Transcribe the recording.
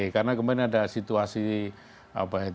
karena kemarin ada situasi